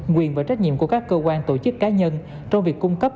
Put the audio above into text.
quyền và trách nhiệm của các cơ quan tổ chức cá nhân trong việc cung cấp